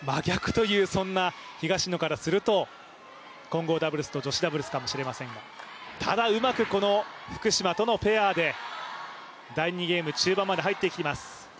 東野からするとまさに真逆という混合ダブルスと女子ダブルスかもしれませんがただ、うまく福島とのペアで第２ゲーム中盤まで入ってきています。